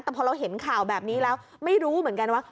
แต่พอเราเห็นข่าวแบบนี้แล้วไม่รู้เหมือนกันว่า